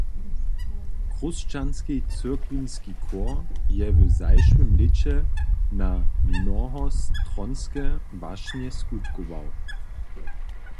Chróšćanski cyrkwinski chór je w zašłym lěće na mnohostronske wašnje skutkował.